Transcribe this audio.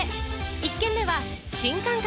１軒目は新感覚！